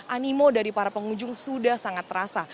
animo dari para pengunjung sudah sangat terasa